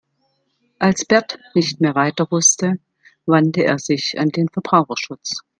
Als Bert nicht mehr weiter wusste, wandte er sich an den Verbraucherschutz.